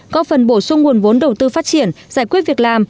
có phần bổ sung nguồn vốn đầu tư phát triển giải quyết việc làm